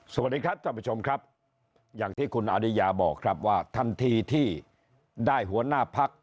สวัสดีครับท่านผู้ชมครับอย่างที่คุณอริยาบอกครับว่าทันทีที่ได้หัวหน้าพัก